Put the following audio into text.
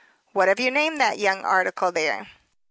"What have you named that young article there?"